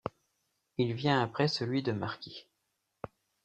Il vient après celui de marquis.